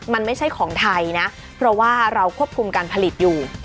มันไม่ใช่ของไทยนะเพราะว่าเราควบคุมการผลิตอยู่